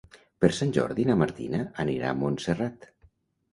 Per Sant Jordi na Martina anirà a Montserrat.